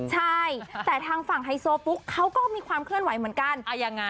ใช่แต่ทางฝั่งไฮโซปุ๊กเขาก็มีความเคลื่อนไหวเหมือนกัน